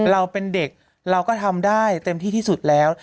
เราเป็นเด็กเราก็ทำได้เต็มที่ที่สุดแล้ว